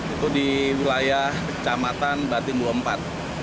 itu di wilayah kecamatan batimuempat